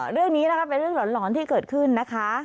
เรื่องนี้นะคะเป็นเรื่องหลอนที่เกิดขึ้นนะคะ